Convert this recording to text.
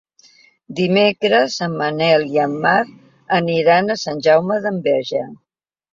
Dimecres en Manel i en Marc aniran a Sant Jaume d'Enveja.